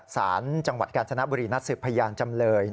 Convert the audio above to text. สารจังหวัดกาญจนบุรีนัดสืบพยานจำเลย